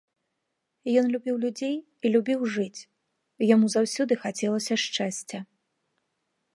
Ён любіў людзей і любіў жыць, яму заўсёды хацелася шчасця.